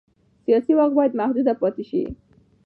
سیاسي واک باید محدود پاتې شي